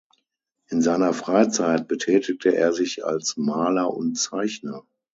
In seiner Freizeit betätigte er sich als Maler und Zeichner.